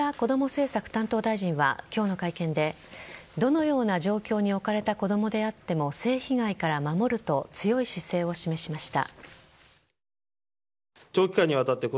政策担当大臣は今日の会見でどのような状況に置かれた子供であっても性被害から守ると強い姿勢を示しました。